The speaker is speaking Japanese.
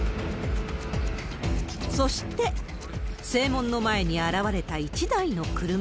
そして、正門の前に現れた一台の車。